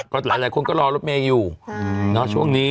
อืมน่ามากหลายคนก็รอรถเมย์อยู่ช่วงนี้